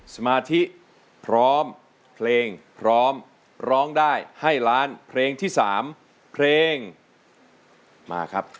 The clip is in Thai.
สมาธิพร้อมเพลงพร้อมร้องได้ให้ล้านเพลงที่๓เพลงมาครับ